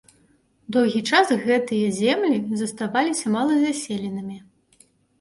Доўгі час гэтыя землі заставаліся малазаселенымі.